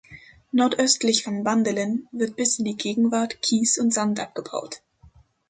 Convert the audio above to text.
Nordöstlich von Bandelin wird bis in die Gegenwart Kies und Sand abgebaut.